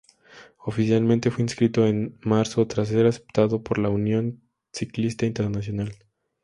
Oficialmente fue inscrito en marzo tras ser aceptado por la Unión Ciclista Internacional.